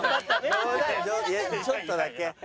ちょっとだけ。